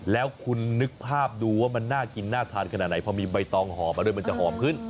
แล้วคุณนึกภาพดูว่ามันน่ากินน่าทานขนาดไหนพอมีใบตองห่อมาด้วยมันจะหอมขึ้น